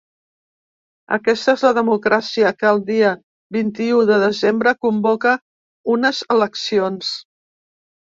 Aquesta és la democràcia que el dia vint-i-u de desembre convoca unes eleccions.